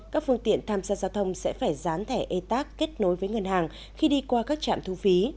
các phương tiện tham gia giao thông sẽ phải dán thẻ etag kết nối với ngân hàng khi đi qua các trạm thu phí